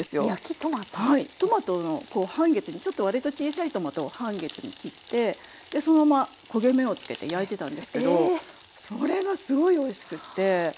はいトマトを半月に割と小さいトマトを半月に切ってそのまま焦げ目をつけて焼いてたんですけどそれがすごいおいしくって。